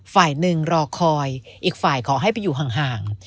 ฝ่ายหนึ่งรอคอยอีกฝ่ายขอให้ไปอยู่ห่าง